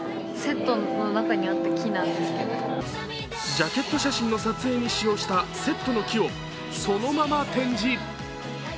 ジャケット写真の撮影に使用したセットの木を、そのまま展示。